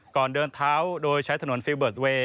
เดินเท้าโดยใช้ถนนฟิลเบิร์ตเวย์